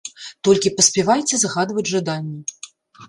Толькі паспявайце загадваць жаданні.